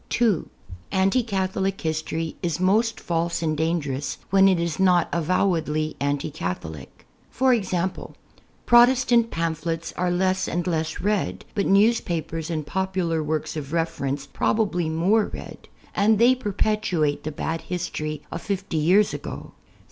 (2) Anti Catholic history is most false and dangerous when it is not avowedly anti Catholic. e.g. Protestant pam])hlets are less and less read, ])ul newspapers and popular works of reference i)robably more read; and they ])erpetuate the bad history of fifty years ag^.